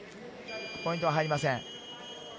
ポイントは入りません。